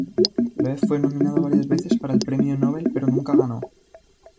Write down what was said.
Loeb fue nominado varias veces para el Premio Nobel pero nunca ganó.